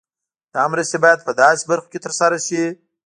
دا مرستې باید په داسې برخو کې تر سره شي.